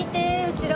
後ろ。